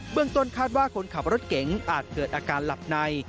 เมืองต้นคาดว่าคนขับรถเก๋งอาจเกิดอาการหลับใน